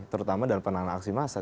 terutama dalam penanganan aksi massa